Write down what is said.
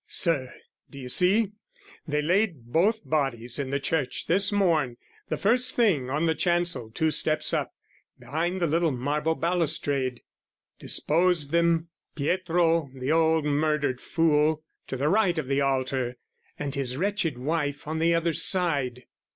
Sir, do you see, They laid both bodies in the church, this morn The first thing, on the chancel two steps up, Behind the little marble balustrade; Disposed them, Pietro the old murdered fool To the right of the altar, and his wretched wife On the other side.